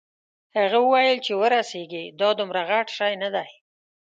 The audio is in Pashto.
هغه وویل چې ورسیږې دا دومره غټ شی نه دی.